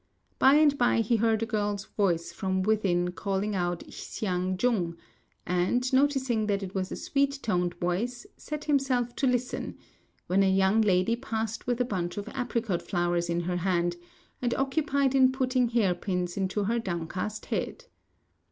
By and by he heard a girl's voice from within calling out Hsiao jung; and, noticing that it was a sweet toned voice, set himself to listen, when a young lady passed with a bunch of apricot flowers in her hand, and occupied in putting hair pins into her downcast head.